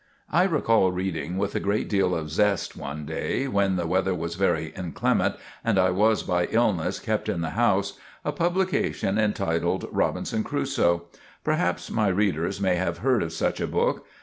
I recall reading with a great deal of zest, one day when the weather was very inclement and I was by illness kept in the house, a publication entitled "Robinson Crusoe." Perhaps my readers may have heard of such a book.